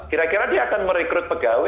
kira kira dia akan merekrut pegawai